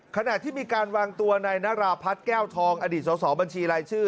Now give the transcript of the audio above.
ขณะที่มีการวางตัวในนราพัฒน์แก้วทองอดีตสอบบัญชีรายชื่อ